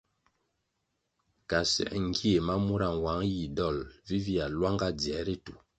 Kasuer ngie ma mura nwang yih dol vivia luanga dzier ritu.